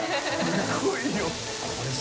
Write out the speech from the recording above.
すごいよ